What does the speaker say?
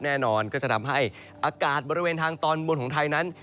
แน่นอนก็จะทำให้อากาศบริเวณทางตอนบนของไทยนั้น